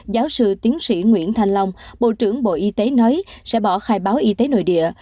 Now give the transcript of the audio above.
giáo sư tiến sĩ nguyễn thanh long bộ trưởng bộ y tế nói sẽ bỏ khai báo y tế nội địa